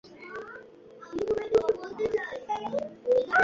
Paloma, জাংলিকে উপরে নিয়ে যাও, তার ঘুমানোর সময় চলে যাচ্ছে।